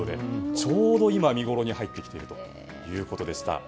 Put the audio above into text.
ちょうど今、見ごろに入ってきているということでした。